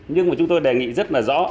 nhưng mà chúng tôi đề nghị rất là rõ